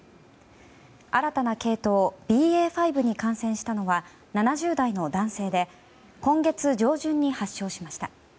新たな系統ＢＡ．５に感染したのは７０代の男性で今月上旬に発症しました。